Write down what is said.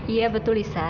iya betul lisa